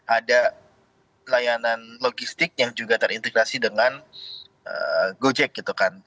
ada layanan logistik yang juga terintegrasi dengan gojek gitu kan